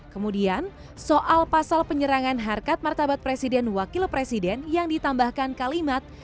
kemudian soal pasal penyerangan harkat martabat presiden wakil presiden yang ditambahkan kalimat